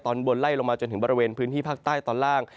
ตอนบนไล่ลงมาจนถึงบริเวณพื้นที่ภาคใต้ตอนล่าง